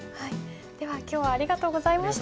では今日はありがとうございました。